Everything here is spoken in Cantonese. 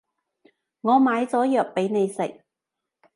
我買咗藥畀你食